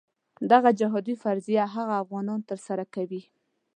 دغه جهادي فریضه هغه افغانان ترسره کوي.